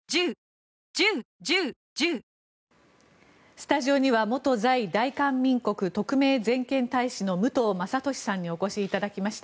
スタジオには元在大韓民国特命全権大使の武藤正敏さんにお越しいただきました。